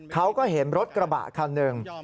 เขาก็เห็นรถกระบะคันหนึ่ง